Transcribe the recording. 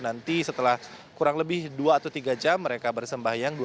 nanti setelah kurang lebih dua atau tiga jam mereka bersembahyang